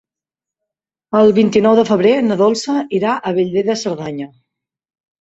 El vint-i-nou de febrer na Dolça irà a Bellver de Cerdanya.